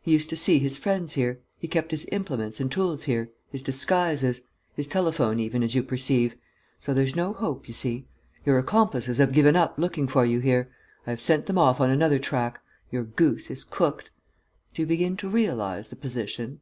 He used to see his friends here. He kept his implements and tools here, his disguises ... his telephone even, as you perceive. So there's no hope, you see. Your accomplices have given up looking for you here. I have sent them off on another track. Your goose is cooked. Do you begin to realize the position?"